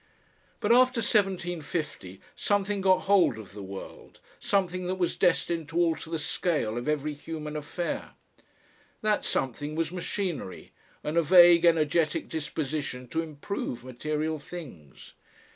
But after 1750 something got hold of the world, something that was destined to alter the scale of every human affair. That something was machinery and a vague energetic disposition to improve material things.